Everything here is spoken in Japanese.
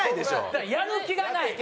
だから「やる気がない」。